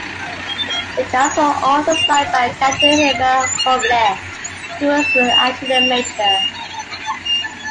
The cards were also signed by Captain Hermann Hoefle, who was actually a major.